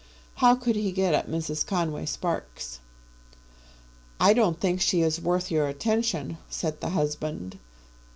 How could he get at Mrs. Conway Sparkes? "I don't think she is worth your attention," said the husband.